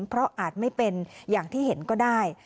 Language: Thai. เพราะอาจไม่เป็นอย่างที่เห็นก็ได้